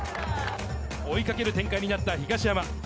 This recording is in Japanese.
追いかける展開になった東山。